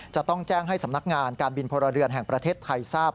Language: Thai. จะต้องแจ้งให้สำนักงานการบินพลเรือนแห่งประเทศไทยทราบ